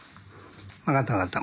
分かった分かった